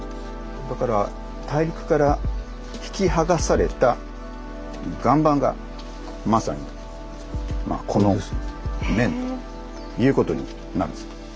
だから大陸から引き剥がされた岩盤がまさにこの面ということになるんです。